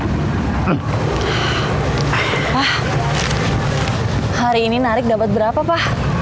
pa hari ini narik dapat berapa pa